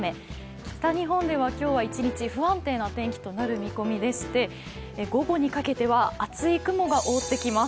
北日本では今日一日、不安定な天気となる見込みでして午後にかけては厚い雲が覆ってきます。